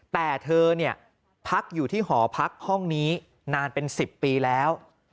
แต่เธอพักอยู่ที่หอพักห้องนี้นานเป็น๑๐ปีแล้ว